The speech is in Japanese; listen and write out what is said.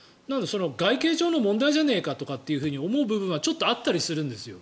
外形上の問題じゃないかと思う部分はちょっとあったりするんですよ。